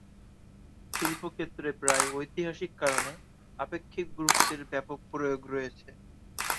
শিল্পক্ষেত্রে প্রায়ই ঐতিহাসিক কারণে আপেক্ষিক গুরুত্বের ব্যাপক প্রয়োগ রয়েছে।